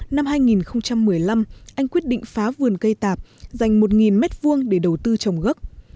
năm hai nghìn một mươi năm anh quyết định phá vườn cây tạp dành một m hai để đầu tư trồng gốc